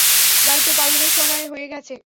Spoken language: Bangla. দায়িত্ব পালনের সময় হয়ে গেছে।